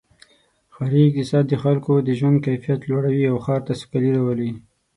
ښاري اقتصاد د خلکو د ژوند کیفیت لوړوي او ښار ته سوکالي راولي.